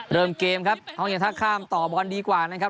เริ่มเกมครับห้องเย็นท่าข้ามต่อบอลดีกว่านะครับ